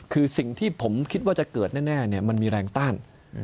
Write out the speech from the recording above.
คือสิ่งที่ผมคิดว่าจะเกิดแน่มันมีแรงต้าน